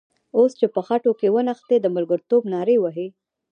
اوس چې په خټو کې ونښتې د ملګرتوب نارې وهې.